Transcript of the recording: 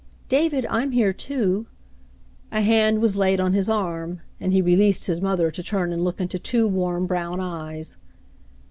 "David, I'm here, too." A hand was laid on his arm, and he released his mother to turn and look into two warm brown eyes.